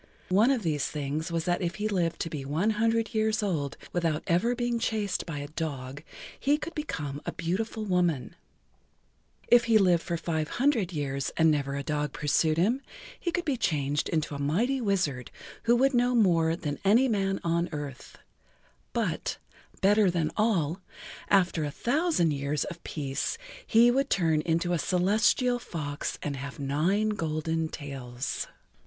One of these things was that if he lived to be one hundred years old without ever being chased by a dog, he could become a beautiful woman; if he lived for five hundred years and never a dog pursued him, he could be changed into a mighty wizard who would know more than any man on earth; but, better than all, after a thousand years of peace he[Pg 6] would turn into a celestial fox and have nine golden tails.